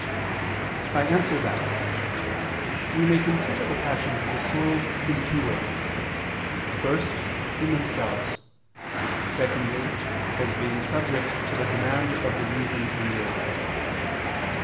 I answer that, We may consider the passions of the soul in two ways: first, in themselves; secondly, as being subject to the command of the reason and will.